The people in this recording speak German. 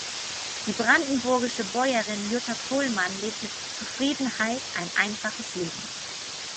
Die brandenburgische Bäuerin Jutta Pohlmann lebt mit Zufriedenheit ein einfaches Leben.